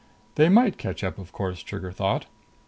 They might catch up, of course, Trigger thought.